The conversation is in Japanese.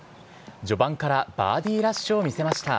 序盤からバーディーラッシュを見せました。